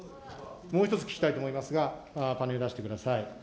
もう一つ聞きたいと思いますが、パネル出してください。